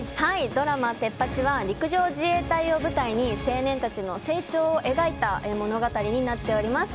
ドラマ「テッパチ！」は陸上自衛隊を舞台に、青年たちの成長を描いた物語になっております。